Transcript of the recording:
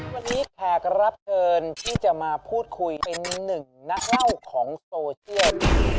วันนี้แขกรับเชิญที่จะมาพูดคุยเป็นหนึ่งนักเล่าของโซเชียล